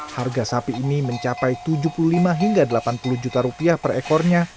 harga sapi ini mencapai tujuh puluh lima hingga delapan puluh juta rupiah per ekornya